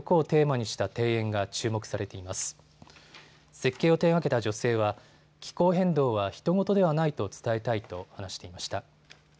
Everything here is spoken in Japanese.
設計を手がけた女性は気候変動はひと事ではないと伝えたいと話していました。